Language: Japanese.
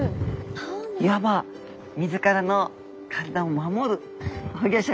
いわば自らの体を守る保護色。